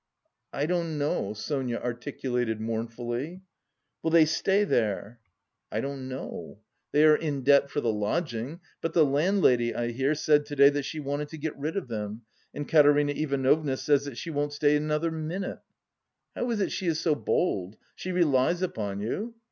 "I don't know," Sonia articulated mournfully. "Will they stay there?" "I don't know.... They are in debt for the lodging, but the landlady, I hear, said to day that she wanted to get rid of them, and Katerina Ivanovna says that she won't stay another minute." "How is it she is so bold? She relies upon you?"